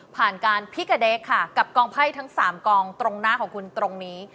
ผ่านการพิกะเดคค่ะกับกองไพ่ทั้ง๓กองตรงหน้าของคุณตรงนี้